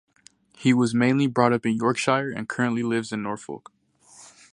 He was mainly brought up in Yorkshire and currently lives in Norfolk.